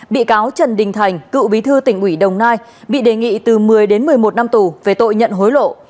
bị cáo trần đình thành cựu bí thư tỉnh ủy đồng nai bị đề nghị từ một mươi đến một mươi một năm tù về tội nhận hối lộ